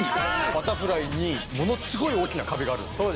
バタフライにものすごい大きな壁があるんですよ。